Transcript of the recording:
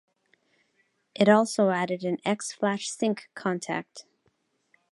It also added an X flash synch contact.